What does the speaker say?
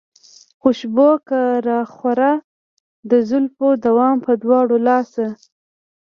خوشبو که راخوره د زلفو دام پۀ دواړه لاسه